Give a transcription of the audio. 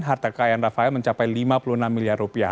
harta kekayaan rafael mencapai lima puluh enam miliar rupiah